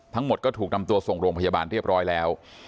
ทั้งหมดก็ถูกนำตัวส่งโรงพยาบาลเรียบร้อยแล้ว